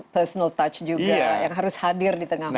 personal touch juga yang harus hadir di tengah masyarakat